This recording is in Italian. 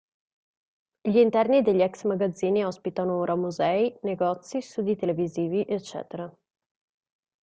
Gli interni degli ex-magazzini ospitano ora musei, negozi, studi televisivi, ecc.